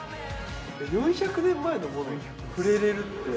４００年前のものに触れれるって。